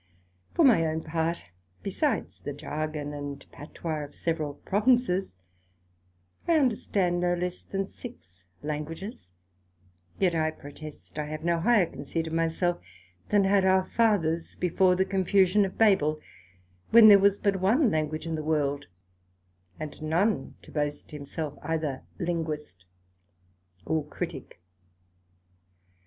For my own part, besides the Jargon and Patois of several Provinces, I understand no less than six Languages; yet I protest I have no higher conceit of my self, than had our Fathers before the confusion of Babel, when there was but one Language in the World, and none to boast himself either Linguist or Critick.